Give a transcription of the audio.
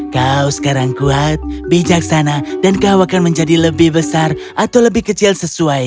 kau sekarang kuat bijaksana dan kau akan menjadi lebih besar atau lebih kecil sesuai